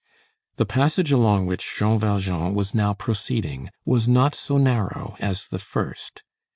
The passage along which Jean Valjean was now proceeding was not so narrow as the first.